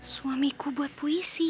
suamiku buat puisi